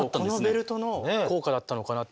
ベルトの効果だったのかなって。